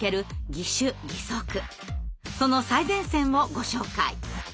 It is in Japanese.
その最前線をご紹介。